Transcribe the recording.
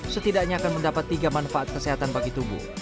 setidaknya akan mendapat tiga manfaat kesehatan bagi tubuh